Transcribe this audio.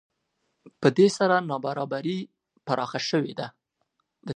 په دې سره نابرابري پراخه شوې ده